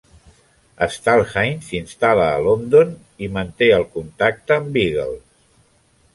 Stalhein s'instal·la a London, i manté el contacte amb Biggles.